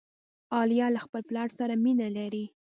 عالیه له خپل پلار سره مینه لري.